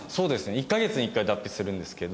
１カ月に１回脱皮するんですけど。